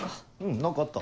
何かあった？